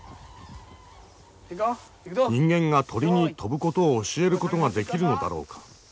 人間が鳥に飛ぶことを教えることができるのだろうか。